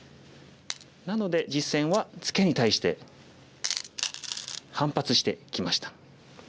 なので実戦はツケに対して反発してきました。